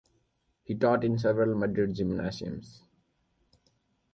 He taught in several Madrid gymnasiums.